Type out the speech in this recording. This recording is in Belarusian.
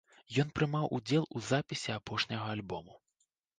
Ён прымаў удзел у запісе апошняга альбому.